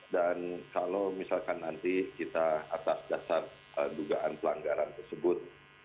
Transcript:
dan kalau misalkan nanti kita atas dasar dugaan pelanggaran tersebut